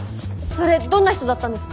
それどんな人だったんですか？